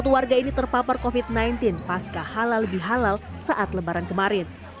satu warga ini terpapar covid sembilan belas pasca halal bihalal saat lebaran kemarin